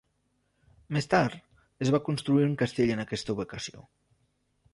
Més tard, es va construir un castell en aquesta ubicació.